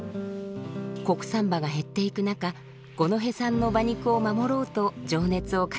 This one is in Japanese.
国産馬が減っていく中五戸産の馬肉を守ろうと情熱を傾けています。